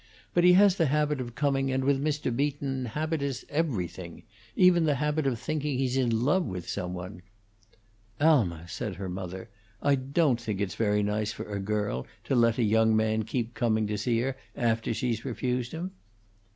But he has the habit of coming, and with Mr. Beaton habit is everything even the habit of thinking he's in love with some one." "Alma," said her mother, "I don't think it's very nice for a girl to let a young man keep coming to see her after she's refused him."